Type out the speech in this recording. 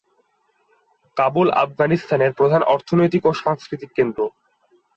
কাবুল আফগানিস্তানের প্রধান অর্থনৈতিক ও সাংস্কৃতিক কেন্দ্র।